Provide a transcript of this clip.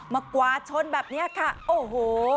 มากวาดชนแบบนี้ค่ะโอ้โห